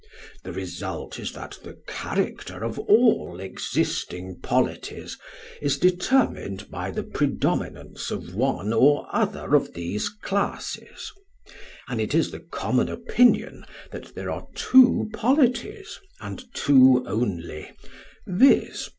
The result is that the character of all existing polities is determined by the predominance of one or other of these classes, and it is the common opinion that there are two polities and two only, viz.